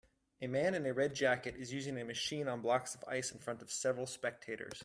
A man in a red jacket is using a machine on blocks of ice in front of several spectators